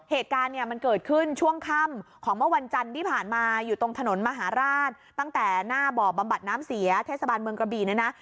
เหตุการณ์เนี่ยมันเกิดขึ้นช่วงค่ำของเมื่อวันจันทร์ที่ผ่านมาอยู่ตรงถนนมหาราชตั้งแต่หน้าบ่อบำบัดน้ำเสียเทศบาลเมืองกระบี่เนี่ยนะ